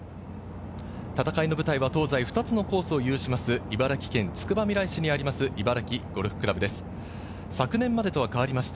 戦いの舞台は東西２つのコースを有します、茨城県つくばみらい市にあります、茨城ゴルフ倶楽部です。